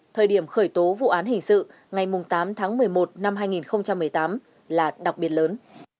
thời điểm khởi tố vụ án hình sự ngày tám tháng một mươi một năm hai nghìn một mươi tám là đặc biệt lớn